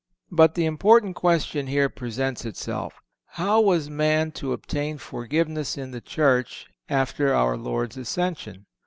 But the important question here presents itself: How was man to obtain forgiveness in the Church after our Lord's ascension?